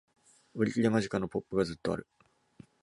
売り切れ間近！のポップがずっとある